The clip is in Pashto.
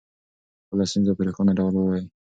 خپله ستونزه په روښانه ډول ووایئ.